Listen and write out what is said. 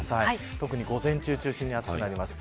特に午前中を中心に暑くなります。